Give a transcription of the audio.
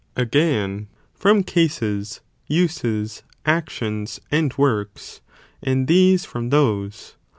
Again, from cases, uses, actions, and works; and these from those